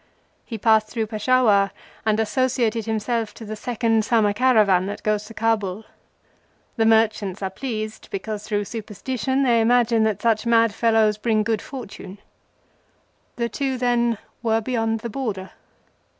He passed through Peshawar and associated himself to the Second Summer caravan that goes to Kabul. The merchants are pleased because through superstition they imagine that such mad fellows bring good fortune." The two then, were beyond the Border.